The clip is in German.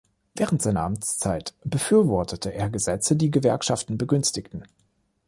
Während seiner Amtszeit befürwortete er Gesetze, die Gewerkschaften begünstigten.